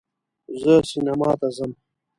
زه سینما ته ځم